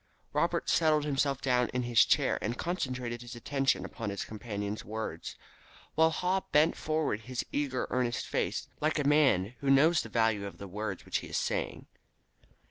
Robert settled himself down in his chair and concentrated his attention upon his companion's words, while Haw bent forward his eager, earnest face, like a man who knows the value of the words which he is saying.